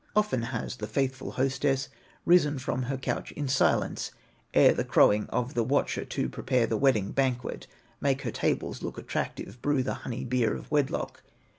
"Often has the faithful hostess Risen from her couch in silence, Ere the crowing of the watcher, To prepare the wedding banquet, Make her tables look attractive, Brew the honey beer of wedlock.